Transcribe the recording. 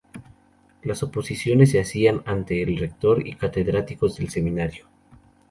Las oposiciones se hacían ante el rector y catedráticos del seminario.